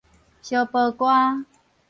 相褒歌